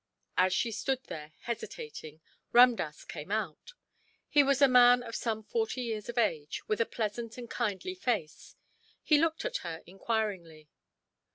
As she stood there, hesitating, Ramdass came out. He was a man of some forty years of age, with a pleasant and kindly face. He looked at her enquiringly.